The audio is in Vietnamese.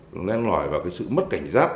nó len lõi vào sự mất cảnh giác